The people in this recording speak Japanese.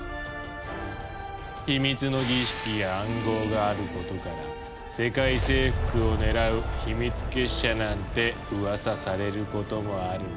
秘密の儀式や暗号があることから「世界征服を狙う秘密結社」なんて噂されることもある。